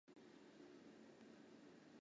属会川路。